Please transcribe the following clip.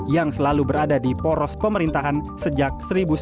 yang selalu berada di poros pemerintahan sejak seribu sembilan ratus sembilan puluh